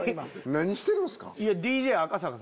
何してるんすか？